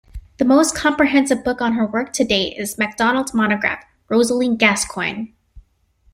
The most comprehensive book on her work to date is MacDonald's monograph "Rosalie Gascoigne".